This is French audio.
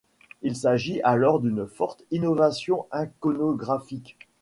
Il s'agit alors d'une forte innovation iconographique.